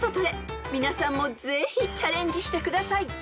［皆さんもぜひチャレンジしてください］